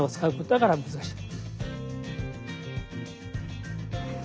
だから難しい。